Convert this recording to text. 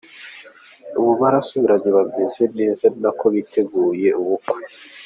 ubu barasubiranye bameze neza ari nako bategura ubukwe.